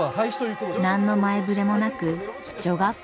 何の前触れもなく女学校が廃止に。